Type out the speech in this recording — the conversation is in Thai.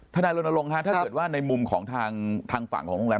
นายรณรงค์ถ้าเกิดว่าในมุมของทางฝั่งของโรงแรม